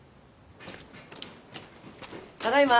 ただいま。